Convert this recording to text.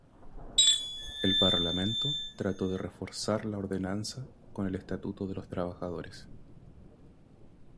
El Parlamento trató de reforzar la Ordenanza con el Estatuto de los Trabajadores.